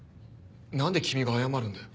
なんで君が謝るんだよ。